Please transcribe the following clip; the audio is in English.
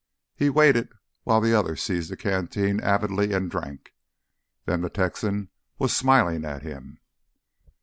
He waited while the other seized the canteen avidly and drank. Then the Texan was smiling at him.